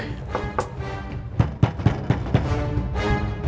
sudah mau ke rumah